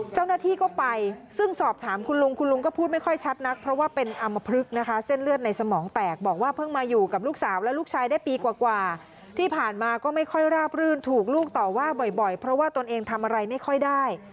เจ้าหน้าที่ก็ไปซึ่งสอบถามคุณลุงคุณลุงก็พูดไม่ค่อยชัดนักเพราะว่าเป็นอำมพลึกนะคะเส้นเลือดในสมองแตกบอกว่าเพิ่งมาอยู่กับลูกสาวและลูกชายได้ปีกว่าที่ผ่านมาก็ไม่ค่อยราบรื่นถูกลูกต่อว่าบ่อยเพราะว่าตนเองทำอะไรไม่ค่อยได้